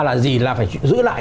là gì là phải giữ lại